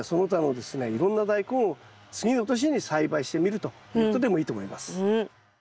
いろんなダイコンを次の年に栽培してみるということでもいいと思います。